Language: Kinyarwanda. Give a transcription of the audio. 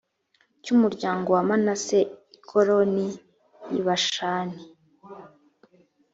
cy umuryango wa manase i golani y i bashani